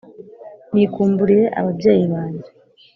nikumburiye ababyeyi banjye